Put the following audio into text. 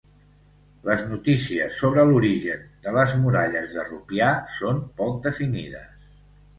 Les notícies sobre l'origen de les muralles de Rupià són poc definides.